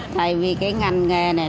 tại vì cái ngành nghề này